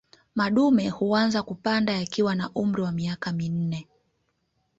Madume huanza kupanda yakiwa na umri wa miaka minne